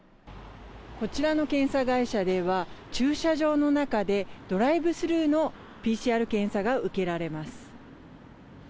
こちらの検査会社では、駐車場の中でドライブスルーのＰＣＲ検査が受けられます。